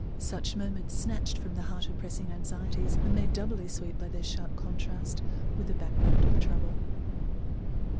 Such moments snatched from the heart of pressing anxieties are made doubly sweet by their sharp contrast with a background of trouble.